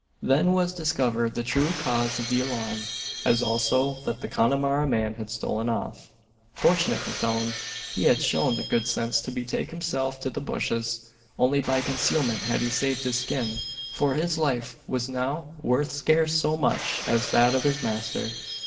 Then was discovered the true cause of the alarm; as also that the Connemara man had stolen off. Fortunate for Phelim he had shown the good sense to betake himself to the bushes. Only by concealment had he saved his skin: for his life was now worth scarce so much as that of his master.